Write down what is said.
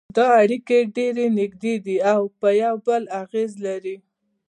دا اړیکې ډېرې نږدې دي او پر یو بل اغېز لري